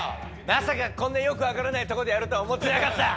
まさかこんなよくわからないとこでやるとは思ってなかった。